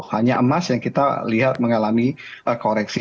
hanya emas yang kita lihat mengalami koreksi